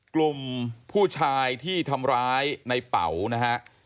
กลุ่มผู้ชายที่ทำร้ายในเป๋านะฮะ